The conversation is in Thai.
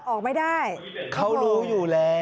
ออกไม่ได้เขารู้อยู่แล้ว